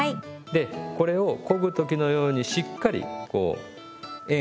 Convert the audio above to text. でこれをこぐ時のようにしっかりこう円を描くんですね。